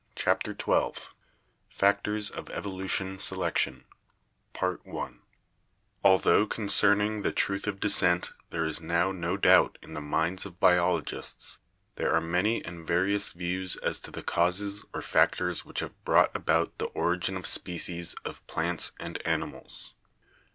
CHAPTER XII FACTORS OF EVOLUTION — SELECTION Altho concerning the truth of descent there is now no idoubt in the minds of biologists, there are many and vari ous views as to the causes or factors which have brought about the origin of species of plants and animals.